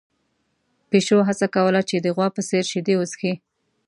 پيشو هڅه کوله چې د غوا په څېر شیدې وڅښي.